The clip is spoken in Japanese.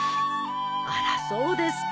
あらそうですか。